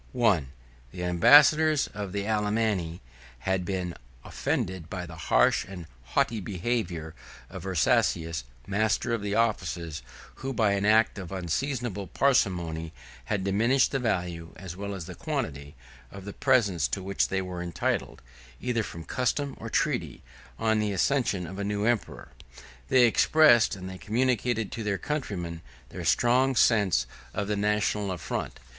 I. The ambassadors of the Alemanni had been offended by the harsh and haughty behavior of Ursacius, master of the offices; 88 who by an act of unseasonable parsimony, had diminished the value, as well as the quantity, of the presents to which they were entitled, either from custom or treaty, on the accession of a new emperor. They expressed, and they communicated to their countrymen, their strong sense of the national affront.